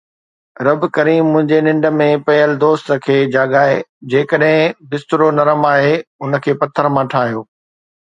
رب ڪريم منهنجي ننڊ ۾ پيل دوست کي جاڳائي. جيڪڏهن بسترو نرم آهي، ان کي پٿر مان ٺاهيو